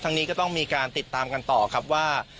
นี้ก็ต้องมีการติดตามกันต่อครับว่า